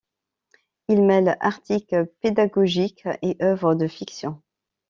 Il mêle articles pédagogiques et œuvres de fiction.